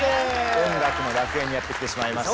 音楽の楽園にやって来てしまいました。